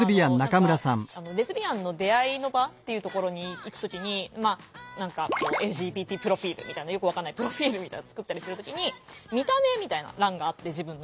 レズビアンの出会いの場っていうところに行く時に何かＬＧＢＴプロフィールみたいなよく分かんないプロフィールみたいなの作ったりする時に「見た目」みたいな欄があって自分の。